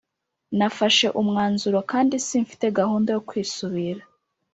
nafashe umwanzuro kandi simfite gahunda yo kwisubira